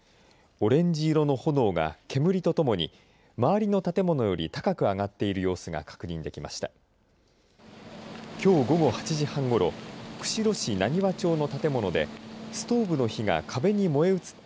オレンジ色の炎が煙とともに周りの建物より高く上がっている様子が確認できました。